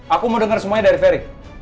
aku mau denger semuanya dari veri